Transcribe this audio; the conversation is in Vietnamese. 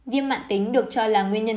viêm mạnh tính được cho là nguyên nhân